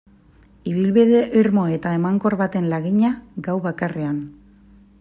Ibilbide irmo eta emankor baten lagina, gau bakarrean.